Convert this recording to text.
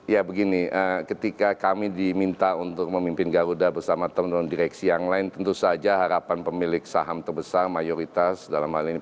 ya begini ketika kami diminta untuk memimpin garuda bersama teman teman direksi yang lain tentu saja harapan pemilik saham terbesar mayoritas dalam hal ini